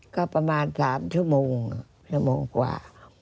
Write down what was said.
ก็ประมาณ๓ชั่วโมงชั่วโมงกว่า